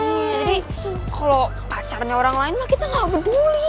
hmm jadi kalau pacarnya orang lain mah kita gak peduli